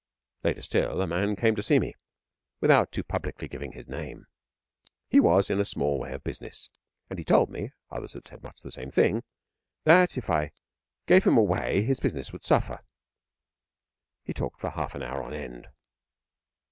Later still a man came to see me, without too publicly giving his name. He was in a small way of business, and told me (others had said much the same thing) that if I gave him away his business would suffer. He talked for half an hour on end.